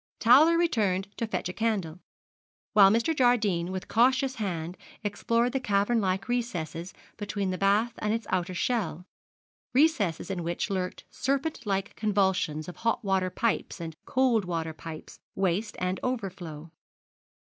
Towler returned to fetch a candle, while Mr. Jardine with cautious hand explored the cavern like recesses between the bath and its outer shell, recesses in which lurked serpent like convolutions of hot water pipes and cold water pipes, waste and overflow.